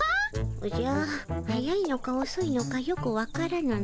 おじゃ速いのかおそいのかよくわからぬの。